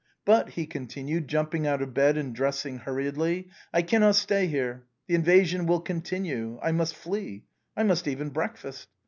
But," he continued, jumping out of bed and dressing hur riedly, " I cannot stay here. The invasion will continue. I must flee; I must even breakfast.